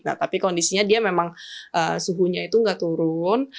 nah tapi kondisinya dia memang suhunya itu nggak turun